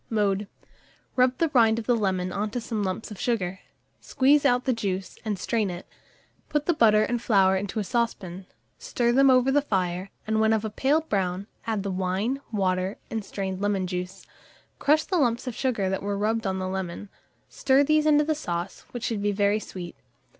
Mode. Rub the rind of the lemon on to some lumps of sugar; squeeze out the juice, and strain it; put the butter and flour into a saucepan, stir them over the fire, and when of a pale brown, add the wine, water, and strained lemon juice. Crush the lumps of sugar that were rubbed on the lemon; stir these into the sauce, which should be very sweet.